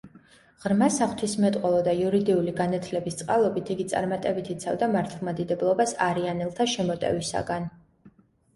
ღრმა საღვთისმეტყველო და იურიდიული განათლების წყალობით იგი წარმატებით იცავდა მართლმადიდებლობას არიანელთა შემოტევისაგან.